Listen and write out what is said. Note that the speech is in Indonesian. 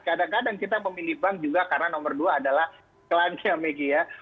kadang kadang kita memilih bank juga karena nomor dua adalah klannya maggie ya